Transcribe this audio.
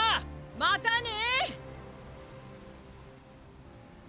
またね！！